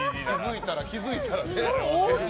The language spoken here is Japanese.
気づいたらね。